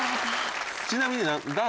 ちなみに。